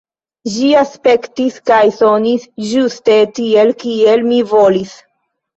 Ĝi aspektis kaj sonis ĝuste tiel, kiel mi volis.